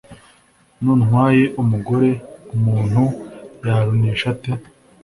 runtwaye umugore umuntu yarunesha ate